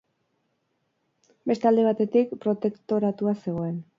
Beste alde batetik protektoratua zegoen.